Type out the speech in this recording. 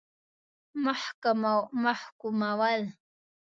محکومول.